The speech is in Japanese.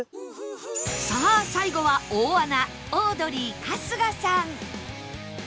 さあ最後は大穴オードリー春日さん